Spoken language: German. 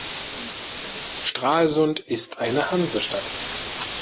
Stralsund ist eine Hansestadt.